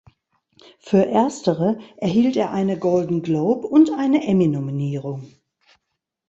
Für Erstere erhielt er eine Golden-Globe- und eine Emmy-Nominierung.